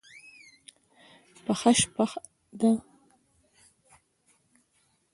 پخه شپه ده.